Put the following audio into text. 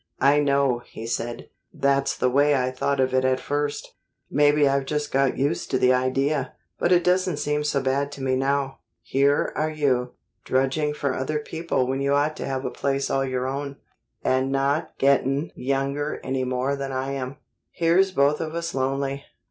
"I know," he said. "That's the way I thought of it at first. Maybe I've just got used to the idea, but it doesn't seem so bad to me now. Here are you, drudging for other people when you ought to have a place all your own and not gettin' younger any more than I am. Here's both of us lonely.